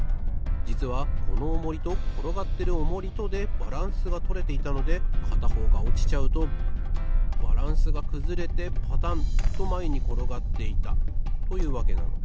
じつはこのオモリところがってるオモリとでバランスがとれていたのでかたほうがおちちゃうとバランスがくずれてパタンとまえにころがっていたというわけなのです。